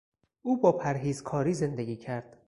او با پرهیزکاری زندگی کرد.